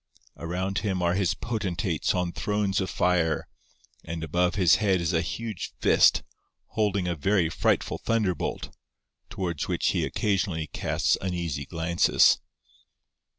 Around him are his potentates on thrones of fire, and above his head is a huge fist, holding a very frightful thunderbolt, towards which he occasionally casts uneasy glances.